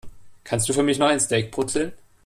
Kannst du für mich noch ein Steak brutzeln?